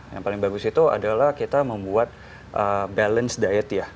yang paling bagus itu adalah kita membuat balance diet ya